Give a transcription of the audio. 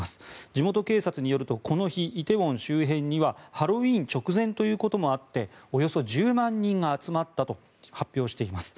地元警察によるとこの日、梨泰院周辺にはハロウィーン直前ということもあっておよそ１０万人が集まったと発表しています。